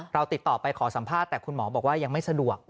ติดต่อไปขอสัมภาษณ์แต่คุณหมอบอกว่ายังไม่สะดวก